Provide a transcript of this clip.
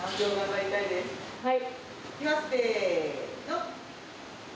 はい。